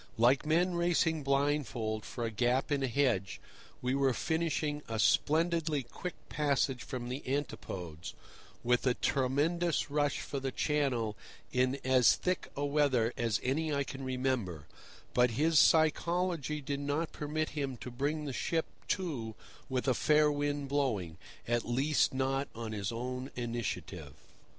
Like men racing blindfold for a gap in a hedge, we were finishing a splendidly quick passage from the Antipodes, with a tremendous rush for the Channel in as thick a weather as any I can remember, but his psychology did not permit him to bring the ship to with a fair wind blowing—at least not on his own initiative.